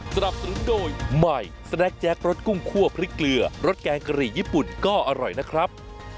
สนับสนุนโดยใหม่สแนคแจ็ครสกุ้งคั่วพริกเกลือรสแกงกะหรี่ญี่ปุ่นก็อร่อยนะครับ